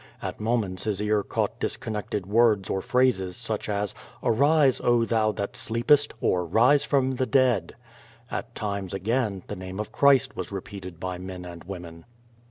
At moments his ear caught dis connected words or phrases, such as '^ Arise, oh thou that sleep est," or, "Bise from the dead.*' At times, again, the name of Christ was repeated by men and women.